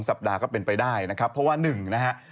สัปดาห์ก็เป็นไปได้นะครับเพราะว่าหนึ่งนะฮะ